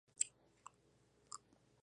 Además, el Wildcat soportó un castigo enorme.